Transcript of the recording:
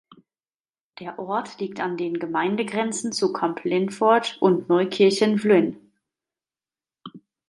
Der Ort liegt an den Gemeindegrenzen zu Kamp-Lintfort und Neukirchen-Vluyn.